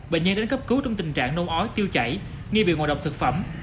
bệnh nhân đến cấp cứu trong tình trạng nôn ói tiêu chảy nghi bị ngộ độc thực phẩm